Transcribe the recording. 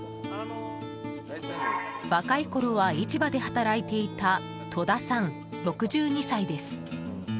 若いころは市場で働いていた戸田さん、６２歳です。